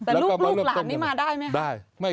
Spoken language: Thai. แต่ลูกหลานนี้มาได้มั้ย